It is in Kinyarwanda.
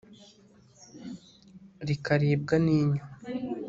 rikaribwa n'inyo